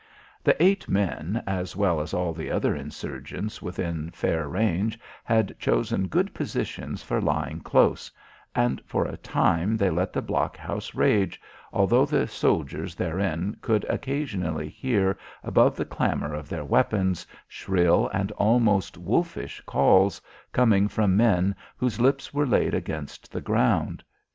The eight men, as well as all other insurgents within fair range, had chosen good positions for lying close, and for a time they let the blockhouse rage, although the soldiers therein could occasionally hear, above the clamour of their weapons, shrill and almost wolfish calls, coming from men whose lips were laid against the ground.